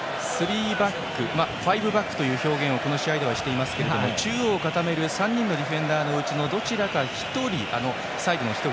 ファイブバックという表現をこの試合ではしていますが中央を固める３人のディフェンダーのうちのどちらか１人サイドの１人